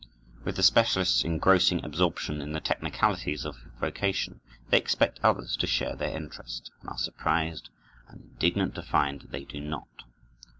With the specialist's engrossing absorption in the technicalities of his vocation, they expect others to share their interest, and are surprised and indignant to find that they do not.